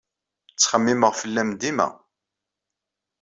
Ttxemmimeɣ fell-am dima.